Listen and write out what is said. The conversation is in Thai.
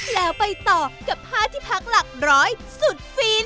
แล้วไปต่อกับผ้าที่พักหลักร้อยสุดฟิน